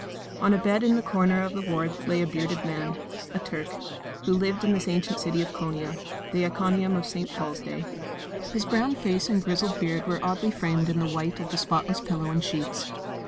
On a bed in the corner of the ward lay a bearded man a Turk who lived in this ancient city of Konia (the Iconium of St. Paul's day). His brown face and grizzled beard were oddly framed in the white of the spotless pillow and sheets.